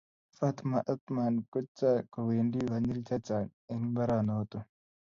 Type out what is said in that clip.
Fatma Athman ko cha kowendii konyill chechang eng mbaranato.